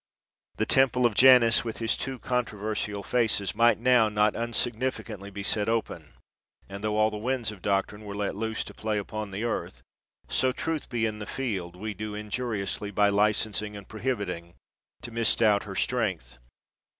The temple of Janus with his two controversial faces might now not unsignificantly be set open. And tho all the winds of doctrine were let loose to play upon the earth, so Truth be in the field, we do injuriously, by licensing and prohibiting, to misdoubt her strength.